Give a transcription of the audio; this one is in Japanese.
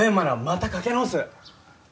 またかけ直す。